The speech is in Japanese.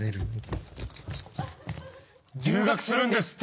留学するんですって。